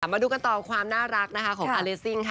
มาดูกันต่อความน่ารักนะคะของอาเลซิ่งค่ะ